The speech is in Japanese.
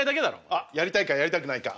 あっやりたいかやりたくないか。